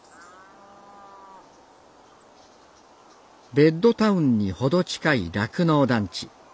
ベッドタウンに程近い酪農団地。